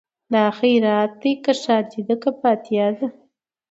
دا خیرات دی که ښادي که فاتحه ده